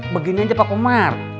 beginian pak komar